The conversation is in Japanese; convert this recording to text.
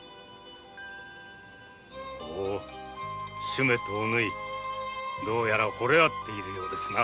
主馬とお縫どうやらほれ合っているようですな。